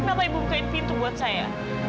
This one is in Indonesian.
kenapa ibu bukain pintu buat saya